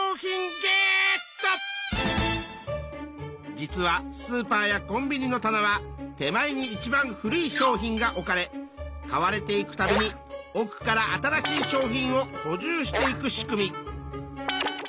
実はスーパーやコンビニの棚は手前にいちばん古い商品が置かれ買われていくたびに奥から新しい商品をほじゅうしていく仕組み。